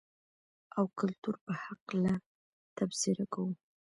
او کلتور په حقله تبصره کوو.